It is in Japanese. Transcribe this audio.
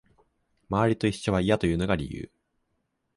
周りと一緒は嫌というのが理由